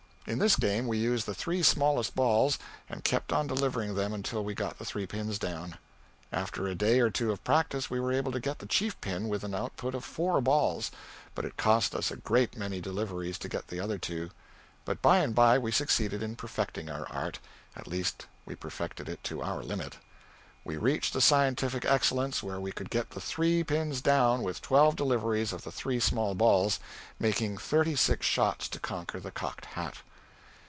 In this game we used the three smallest balls and kept on delivering them until we got the three pins down. After a day or two of practice we were able to get the chief pin with an output of four balls, but it cost us a great many deliveries to get the other two; but by and by we succeeded in perfecting our art at least we perfected it to our limit. We reached a scientific excellence where we could get the three pins down with twelve deliveries of the three small balls, making thirty six shots to conquer the cocked hat.